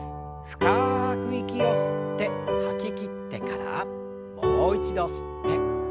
深く息を吸って吐ききってからもう一度吸って吐きましょう。